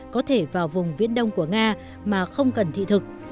có thể vào vùng viễn đông của nga mà không cần thị thực